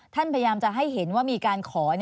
พยายามจะให้เห็นว่ามีการขอ